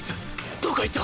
どこへ行った！？